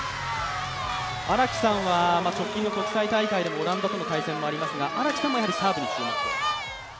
荒木さんは直近の国際大会でもオランダとの対戦はありましたが荒木さんもやはりサーブに注目と？